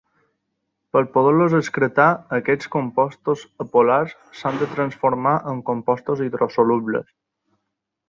Per a poder-los excretar aquests compostos apolars s’han de transformar en compostos hidrosolubles.